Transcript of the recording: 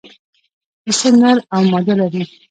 پسه نر او ماده لري.